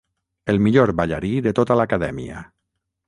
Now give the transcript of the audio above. El millor ballarí de tota l'acadèmia.